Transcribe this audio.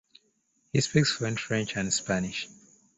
He speaks fluent French and Spanish.